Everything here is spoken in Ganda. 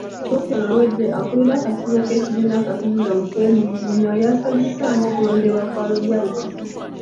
Ku Lwokutaano oluwedde, akulira akakiiko k'ekibiina akatunula mu kwemulugunya yasazizzaamu okulondebwa kwa Lubyayi Kisiki.